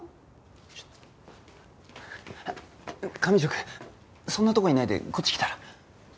上条くんそんなとこいないでこっち来たら？